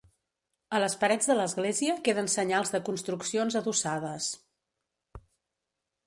A les parets de l'església queden senyals de construccions adossades.